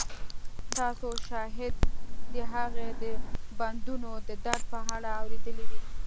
تاسو شاید د هغې د بندونو د درد په اړه اوریدلي وي